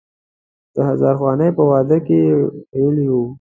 د هزار خوانې په واده کې یې ویلی و.